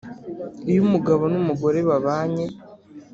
Iyo umugabo n umugore babanye